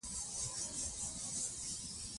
لعل د افغانستان د اوږدمهاله پایښت لپاره مهم رول لري.